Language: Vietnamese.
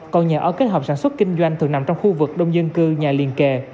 còn nhà ở kết hợp sản xuất kinh doanh thường nằm trong khu vực đông dân cư nhà liền kề